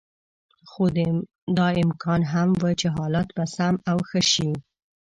خو دا امکان هم و چې حالات به سم او ښه شي.